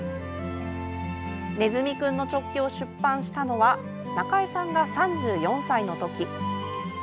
「ねずみくんのチョッキ」を出版したのはなかえさんが３４歳のとき。